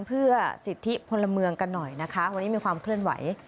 เพื่อสิทธิพลเมืองกันหน่อยนะคะวันนี้มีความเคลื่อนไหว